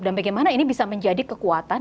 dan bagaimana ini bisa menjadi kekuatan